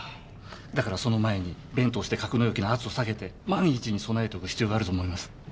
だからその前にベントをして格納容器の圧を下げて万一に備えておく必要があると思います。